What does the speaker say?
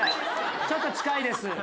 ちょっと近いです。